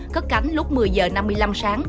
cất cánh lúc một mươi h năm mươi năm sáng